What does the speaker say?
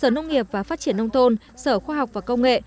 nông nghiệp và phát triển nông tôn sở khoa học và công nghệ